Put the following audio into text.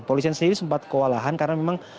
polisian sendiri sempat kewalahan karena memang